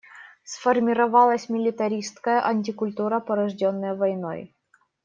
Сформировалась милитаристская антикультура, порожденная войной.